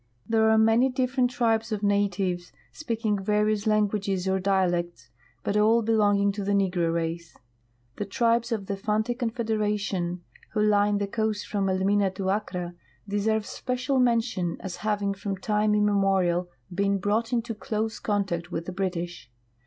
There are many dif ferent tribes of natives, speaking various languages or dialects, but all belonging to the negro race. The tribes of the Fanti THE OOLD COAST, ASHANTI, AND KUMASSI 5 confederation, who line the coast from Ehnina to Akkra, deserve special mention as having from time immemorial been brought into close contact with the British.